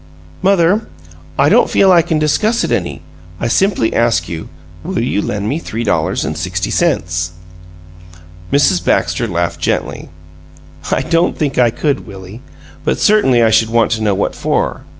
"Mother, I don't feel I can discuss it any; I simply ask you: Will you lend me three dollars and sixty cents?" Mrs. Baxter laughed gently. "I don't think I could, Willie, but certainly I should want to know what for."